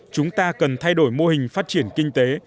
chúng ta cần thay đổi mô hình phát triển kinh tế